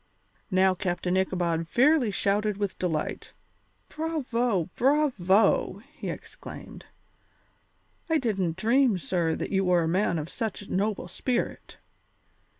Now Captain Ichabod fairly shouted with delight. "Bravo! Bravo!" he exclaimed; "I didn't dream, sir, that you were a man of such a noble spirit.